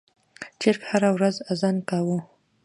چرګ هره ورځ اذان کاوه.